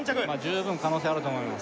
十分可能性あると思います